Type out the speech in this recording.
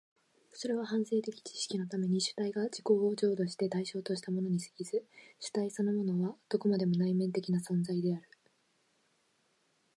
それは反省的知識のために主体が自己を譲渡して対象としたものに過ぎず、主体そのものはどこまでも内面的な存在である。